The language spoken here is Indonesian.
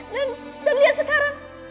dan lihat sekarang